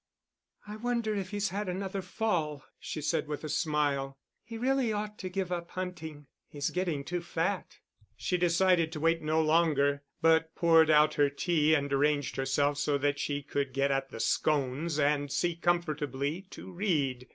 "I wonder if he's had another fall," she said, with a smile. "He really ought to give up hunting, he's getting too fat." She decided to wait no longer, but poured out her tea and arranged herself so that she could get at the scones and see comfortably to read.